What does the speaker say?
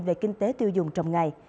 về kinh tế tiêu dùng trong ngày